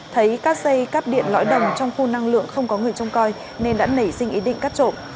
thấy các dây cắp điện lõi đồng trong khu năng lượng không có người trông coi nên đã nảy sinh ý định cắt trộm